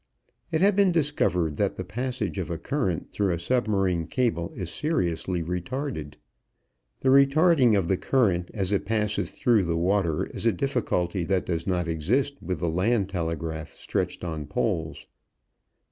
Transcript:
It had been discovered that the passage of a current through a submarine cable is seriously retarded. The retarding of the current as it passes through the water is a difficulty that does not exist with the land telegraph stretched on poles.